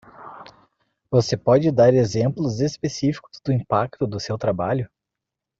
Você pode dar exemplos específicos do impacto do seu trabalho?